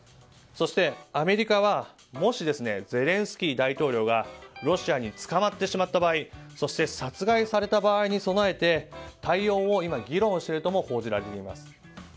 そして、アメリカはもしゼレンスキー大統領がロシアに捕まってしまった場合そして殺害された場合に備えて対応を今、議論しているとも報じられています。